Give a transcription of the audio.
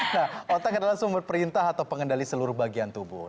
nah otak adalah sumber perintah atau pengendali seluruh bagian tubuh